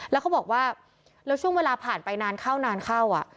แล้วเขาบอกว่าแล้วช่วงเวลาผ่านไปนานเข้านานเข้า